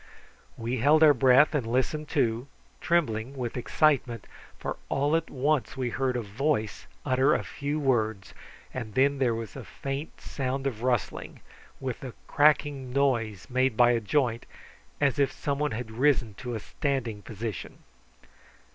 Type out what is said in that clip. We held our breath and listened too, trembling with excitement, for all at once we heard a voice utter a few words, and then there was a faint sound of rustling, with the cracking noise made by a joint, as if some one had risen to a standing position.